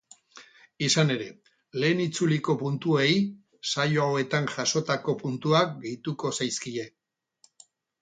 Izan ere, lehen itzuliko puntuei, saio hauetan jasotako puntuak gehituko zaizkie.